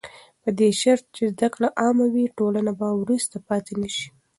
په دې شرط چې زده کړه عامه وي، ټولنه به وروسته پاتې نه شي.